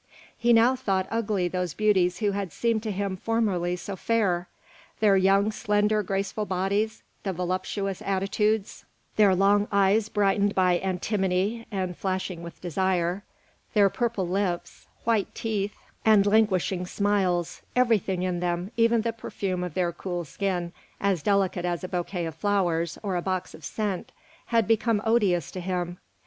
He now thought ugly those beauties who had seemed to him formerly so fair; their young, slender, graceful bodies, their voluptuous attitudes, their long eyes brightened by antimony and flashing with desire, their purple lips, white teeth, and languishing smiles, everything in them, even the perfume of their cool skin, as delicate as a bouquet of flowers or a box of scent, had become odious to him.